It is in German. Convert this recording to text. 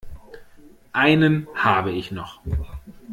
Einen habe ich noch.